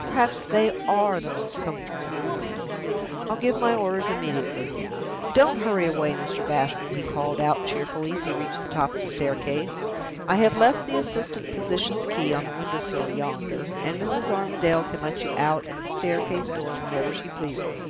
perhaps they are the most comfortable rooms. I'll give my orders immediately. Don't hurry away, Mr. Bashwood," he called out, cheerfully, as he reached the top of the staircase. "I have left the assistant physician's key on the window sill yonder, and Mrs. Armadale can let you out at the staircase door whenever she pleases.